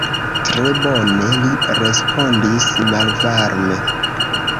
Tre bone, li respondis malvarme.